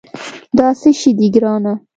دا څه شي دي، ګرانه؟